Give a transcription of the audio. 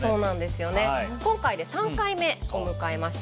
今回で３回目を迎えました